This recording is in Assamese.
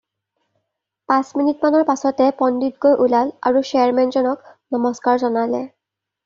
পাঁচ মিনিটমানৰ পাচতে পণ্ডিত গৈ ওলাল আৰু শ্বেয়াৰমেনক নমস্কাৰ জনালে।